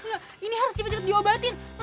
engga ini harus cepet cepet diobatin